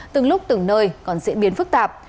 từng lúc từng nơi còn diễn biến phức tạp